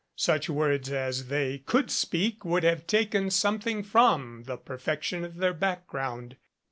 Such words as they could speak would have taken some thing from the perfection of their background.